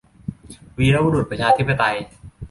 วีรบุรุษประชาธิปไตย